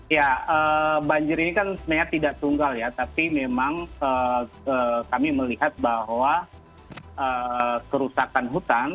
ya banjir ini kan sebenarnya tidak tunggal ya tapi memang kami melihat bahwa kerusakan hutan